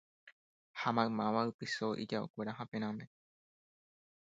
Ha maymáva oipyso ijaokuéra haperãme